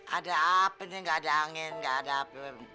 ada apa nih gak ada angin gak ada apa apa